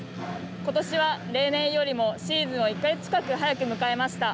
ことしは例年よりもシーズンを１か月近く早く迎えました。